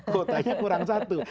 kalau tanya kurang satu